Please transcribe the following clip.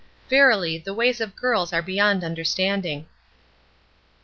Verily, the ways of girls are beyond understanding.